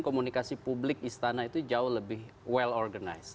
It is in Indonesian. komunikasi publik istana itu jauh lebih well organized